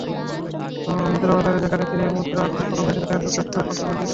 মুদ্রাবাজারে যেখানে চীনের মুদ্রার প্রসঙ্গ এসেছে, সেখানে যুক্তরাষ্ট্র বেশ প্রজ্ঞার পরিচয় দিয়েছে।